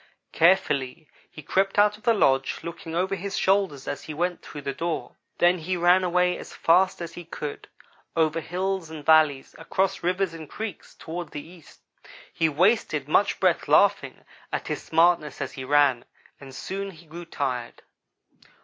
"Carefully he crept out of the lodge, looking over his shoulder as he went through the door. Then he ran away as fast as he could go. Over hills and valleys, across rivers and creeks, toward the east. He wasted much breath laughing at his smartness as he ran, and soon he grew tired.